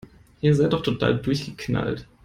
Ihr seid doch total durchgeknallt!